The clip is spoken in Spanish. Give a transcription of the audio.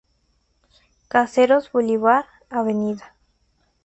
Caseros, Bolívar, Av.